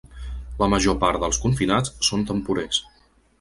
La major part dels confinats són temporers.